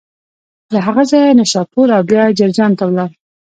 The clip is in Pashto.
له هغه ځایه نشاپور او بیا جرجان ته ولاړ.